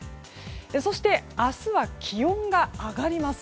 そして、明日は気温が上がります。